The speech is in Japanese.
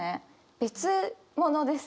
別物です。